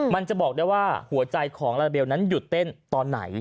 มันจะบอกได้ว่าหัวใจของลาลาเบลนั้นหยุดเต้นตอนไหน